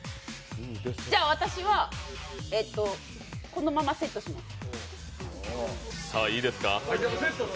じゃあ私は、このままセットします。